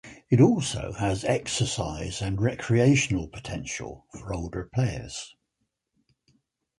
It also has exercise and recreational potential for older players.